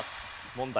問題